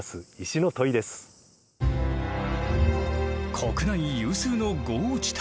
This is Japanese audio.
国内有数の豪雨地帯